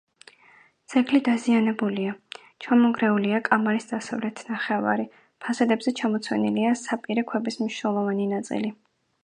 ძეგლი დაზიანებულია: ჩამონგრეულია კამარის დასავლეთ ნახევარი, ფასადებზე ჩამოცვენილია საპირე ქვების მნიშვნელოვანი ნაწილი.